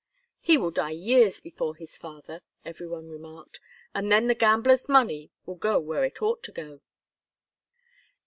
"He will die years before his father," every one remarked, "and then the gambler's money will go where it ought to go."